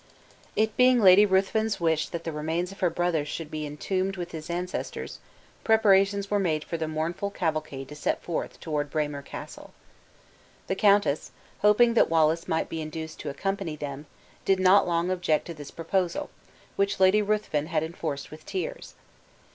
It being Lady Ruthven's wish that the remains of her brother should be entombed with his ancestors, preparations were made for the mournful cavalcade to set forth toward Braemar Castle. The countess, hoping that Wallace might be induced to accompany them, did not long object to this proposal, which Lady Ruthven had enforced with tears.